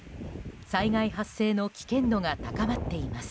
災害発生の危険度が高まっています。